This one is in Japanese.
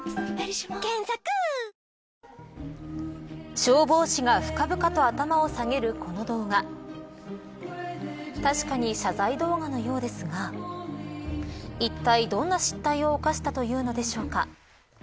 消防士が深々と頭を下げるこの動画確かに、謝罪動画のようですが一体、どんな失態を犯したというのでしょうか。